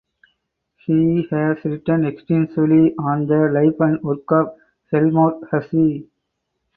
He has written extensively on the life and work of Helmut Hasse.